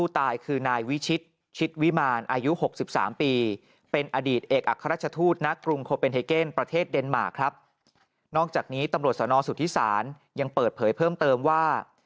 ท่านสนสุธิศาลยังเปิดเผยเพิ่มเติมว่า